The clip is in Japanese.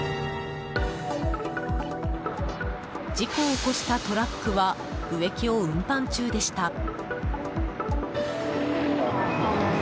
事故を起こしたトラックは植木を運搬中でした。